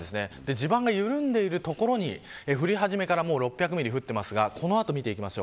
地盤が緩んでいる所に降り始めから６００ミリ降っていますがこの後を見ていきます。